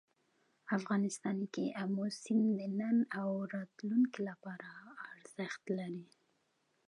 افغانستان کې آمو سیند د نن او راتلونکي لپاره ارزښت لري.